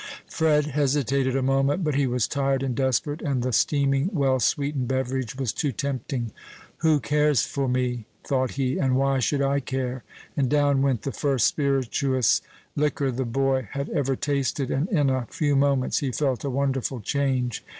Fred hesitated a moment; but he was tired and desperate, and the steaming, well sweetened beverage was too tempting. "Who cares for me?" thought he, "and why should I care?" and down went the first spirituous liquor the boy had ever tasted; and in a few moments, he felt a wonderful change.